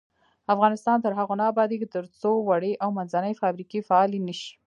افغانستان تر هغو نه ابادیږي، ترڅو وړې او منځنۍ فابریکې فعالې نشي.